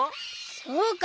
そうか！